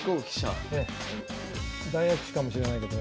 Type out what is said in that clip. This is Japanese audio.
大悪手かもしれないけど。